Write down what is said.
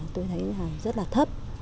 tôi thấy rất là thấp